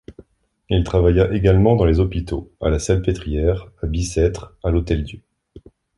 Il travailla également dans les Hôpitaux, à la Salpêtrière, à Bicêtre, à l’Hôtel-Dieu.